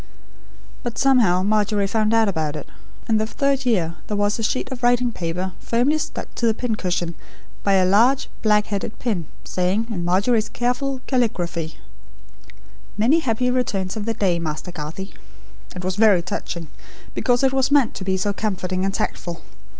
But, somehow, Margery found out about it; and the third year there was a sheet of writing paper firmly stuck to the pincushion by a large black headed pin, saying, in Margery's careful caligraphy: 'Many happy returns of the day, Master Garthie.' It was very touching, because it was meant to be so comforting and tactful.